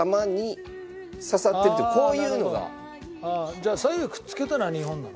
じゃあ左右くっつけたのは日本なの？